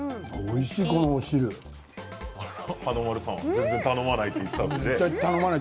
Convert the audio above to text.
全然頼まないと言っていたのに。